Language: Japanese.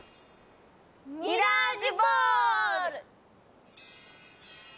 ミラージュボール！